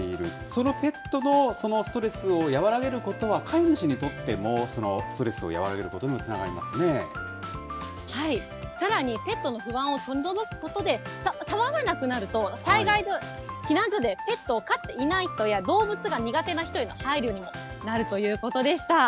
そのペットのそのストレスを和らげることは、飼い主にとっても、ストレスを和らげることにもつなさらにペットの不安を取り除くことで、騒がなくなると、避難所でペットを飼っていない人や、動物が苦手な人への配慮にもなるということでした。